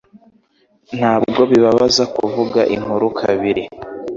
Ntabwo bibabaza kuvuga inkuru kabiri.